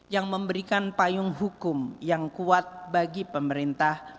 yang memberikan payung hukum yang kuat bagi pemerintah